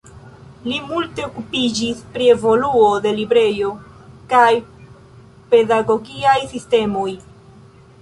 Li multe okupiĝis pri evoluo de librejo kaj pedagogiaj sistemoj.